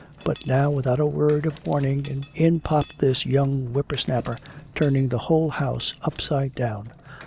But now without a word of warning in popped this young whipper snapper, turning the whole house upside down!